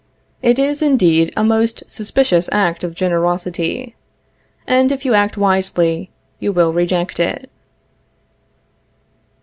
It is, indeed, a most suspicious act of generosity, and if you act wisely, you will reject it.